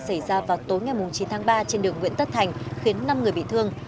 xảy ra vào tối ngày chín tháng ba trên đường nguyễn tất thành khiến năm người bị thương